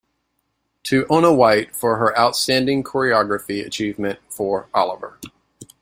"To Onna White for her outstanding choreography achievement for "Oliver!